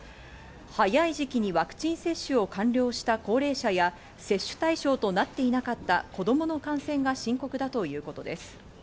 早い時期にワクチン接種を完了した高齢者や接種対象となっていなかった子供の感染が深刻だということです。